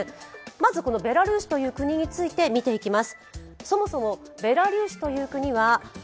まずベラルーシという国について見ていきます。